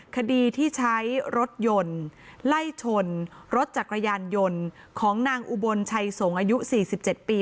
คดีที่ใช้รถยนต์ไล่ชนรถจักรยานยนต์ของนางอุบลชัยสงฆ์อายุ๔๗ปี